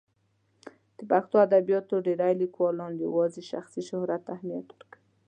د پښتو ادبیاتو ډېری لیکوالان یوازې شخصي شهرت ته اهمیت ورکوي.